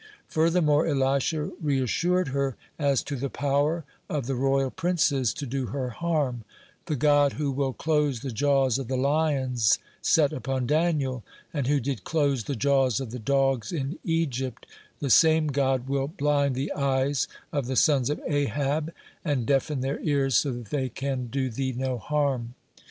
Furthermore, Elisha reassured her as to the power of the royal princes to do her harm: "The God who will close the jaws of the lions set upon Daniel, and who did close the jaws of the dogs in Egypt, the same God will blind the eyes of the sons of Ahab, and deafen their ears, so that they can do thee no harm."